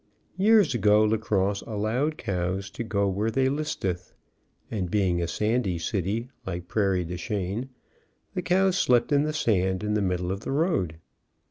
Years ago La Crosse allowed cows to go where they listeth, and being a sandy city, like Prairie du Chien, the cows slept in the sand in the middle of the road.